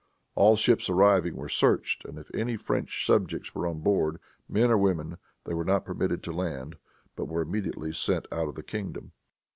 All ships arriving were searched and if any French subjects were on board, men or women, they were not permitted to land, but were immediately sent out of the kingdom.